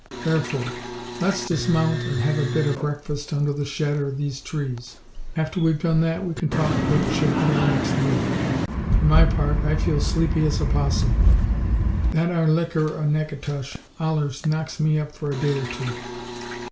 Tharfor, let's dismount and have a bit o' breakfast under the shadder o' these trees. After we've done that, we can talk about what shed be our next move. For my part, I feel sleepy as a 'possum. That ar licker o' Naketosh allers knocks me up for a day or two.